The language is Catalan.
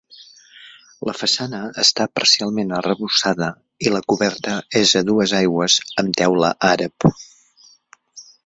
La façana està parcialment arrebossada i la coberta és a dues aigües amb teula àrab.